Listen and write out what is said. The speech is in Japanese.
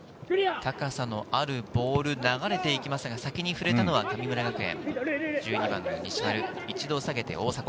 高さのあるボール、流れていきますが、先に触れたのは神村学園、１２番・西丸、一度下げて大迫。